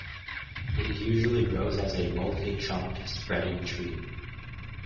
It usually grows as a multi-trunked spreading tree.